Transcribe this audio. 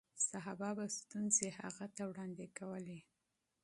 صحابه به ستونزې هغې ته وړاندې کولې.